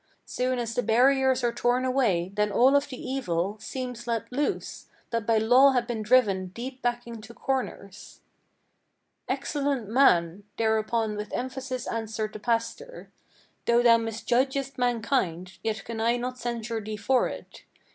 Soon as the barriers are torn away, then all of the evil Seems let loose, that by law had been driven deep back into corners." "Excellent man!" thereupon with emphasis answered the pastor: "Though thou misjudgest mankind, yet can I not censure thee for it.